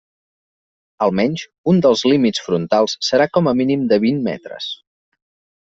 Almenys un dels límits frontals serà com a mínim de vint metres.